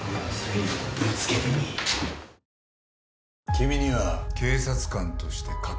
「君には警察官として欠けているものがある」